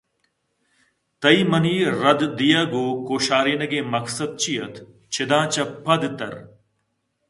تئی منی رد دیئگءُ کوشارینگ ءِ مقصدچی اَت؟ چداں چہ پدترّ